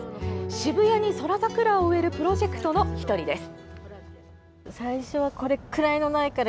渋谷に宇宙桜を植えるプロジェクトの１人です。